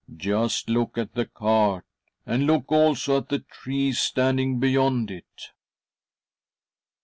"Just look at the cart, and look also at the trees, standing beyond it."